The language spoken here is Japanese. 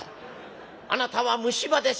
「あなたは虫歯です」。